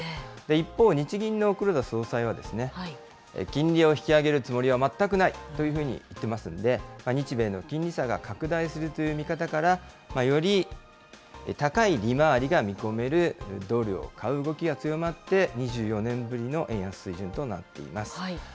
一方、日銀の黒田総裁は、金利を引き上げるつもりは全くないというふうに言ってますんで、日米の金利差が拡大するという見方から、より高い利回りが見込めるドルを買う動きが強まって、２４年ぶりの円安水準となっています。